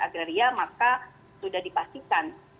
agraria maka sudah dipastikan